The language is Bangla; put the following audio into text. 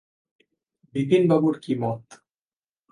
বিপিনবাবুর কী মত?